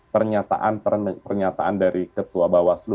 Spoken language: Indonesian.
pernyataan dari ketua bawaslu